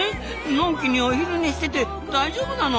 のんきにお昼寝してて大丈夫なの？